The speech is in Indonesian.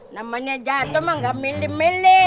namanya jatuh mah gak milih milih